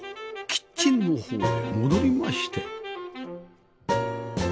キッチンの方へ戻りまして